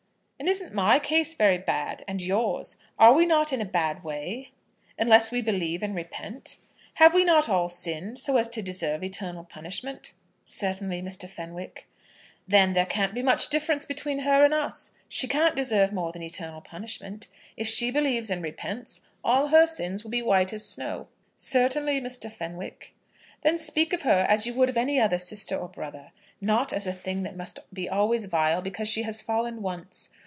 "And isn't my case very bad, and yours? Are we not in a bad way, unless we believe and repent? Have we not all so sinned as to deserve eternal punishment?" "Certainly, Mr. Fenwick." "Then there can't be much difference between her and us. She can't deserve more than eternal punishment. If she believes and repents, all her sins will be white as snow." "Certainly, Mr. Fenwick." "Then speak of her as you would of any other sister or brother, not as a thing that must be always vile because she has fallen once.